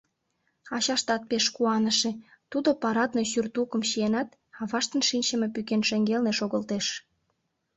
Ачаштат пеш куаныше, тудо парадный сюртукым чиенат, аваштын шинчыме пӱкен шеҥгелне шогылтеш.